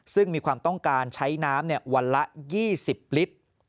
ซึ่งมีความต้องการใช้น้ำวันละ๒๐ลิตร